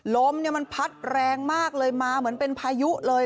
ลมเนี่ยมันพัดแรงมากเลยมาเหมือนเป็นพายุเลย